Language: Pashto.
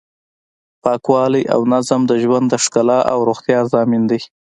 پاکوالی او نظم د ژوند د ښکلا او روغتیا ضامن دی.